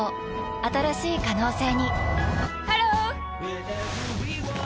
新しい可能性にハロー！